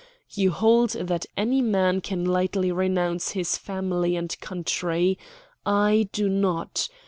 You hold that any man can lightly renounce his family and country. I do not.